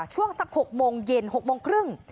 ช่วงสัก๖โมงเย็น๖โมงครึ่ง